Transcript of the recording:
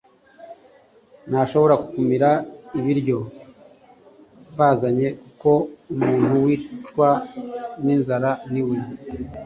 Ntashobora kumira ibiryo bazanye kuko umuntu wicwa ninzara ni we